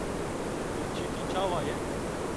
birçîtî çawa ye?